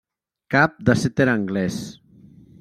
Cap de Setter Anglès.